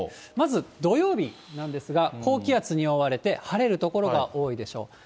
まず土曜日なんですが、高気圧に覆われて晴れる所が多いでしょう。